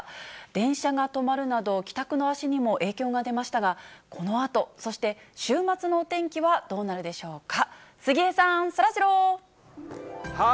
電車が止まるなど、帰宅の足にも影響が出ましたが、このあと、そして週末のお天気はどうなるでしょうか。